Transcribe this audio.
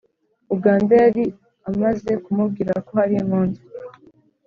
uganda yari amaze kumubwira ko hari impunzi